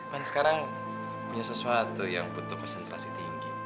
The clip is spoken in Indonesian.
kan sekarang punya sesuatu yang butuh konsentrasi tinggi